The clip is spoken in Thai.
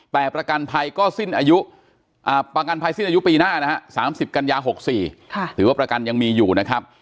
แต่ประกันภัยก็สิ้นอายุปีหน้านะฮะ๓๐กันยายน๖๔ถือว่าประกันยังมีอยู่นะครับ